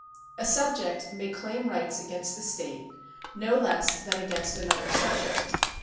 A subject may claim rights against the state, no less than against another subject.